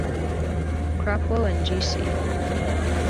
Crapo and G.-C.